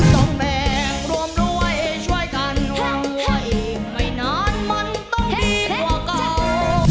จงแรงร่วมรวยช่วยกันห่วงห่วยไม่นานมันต้องดีกว่าเก่า